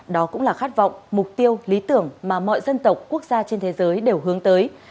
đó cũng là khát vọng mục tiêu lý tưởng mà mọi dân tộc quốc gia trên thế giới đều hướng tới